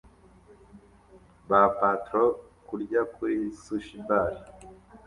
Ba patron kurya kuri sushi bar